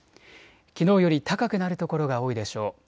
きのうより高くなる所が多いでしょう。